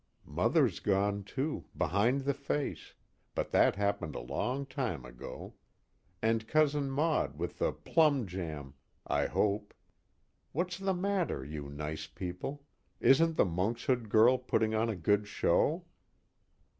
_Mother's gone too, behind the Face but that happened a long time ago. And Cousin Maud with the Plum Jam, I hope. What's the matter, you nice people isn't the Monkshood Girl putting on a good show?